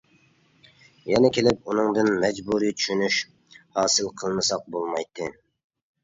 يەنە كېلىپ ئۇنىڭدىن «مەجبۇرىي چۈشىنىش» ھاسىل قىلمىساق بولمايتتى.